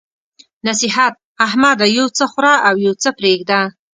نصيحت: احمده! یو څه خوره او يو څه پرېږده.